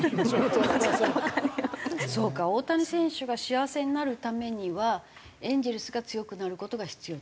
そうか大谷選手が幸せになるためにはエンゼルスが強くなる事が必要と。